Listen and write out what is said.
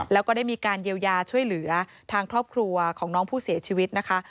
แล้วก็ได้มีการเยียวยาช่วยเหลือทางครอบครัวของน้องผู้เสียชีวิตนะคะ